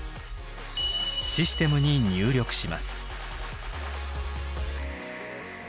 システムに入力します。